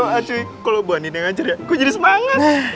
aduh kalau bu andien yang ngajar ya gue jadi semangat